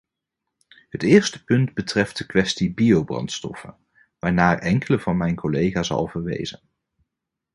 Het eerste punt betreft de kwestie biobrandstoffen, waarnaar enkele van mijn collega's al verwezen.